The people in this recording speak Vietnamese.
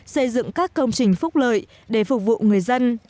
xây dựng các công trình phúc lợi để phục vụ người dân